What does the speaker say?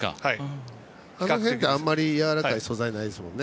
あの辺はやわらかい素材ないですもんね。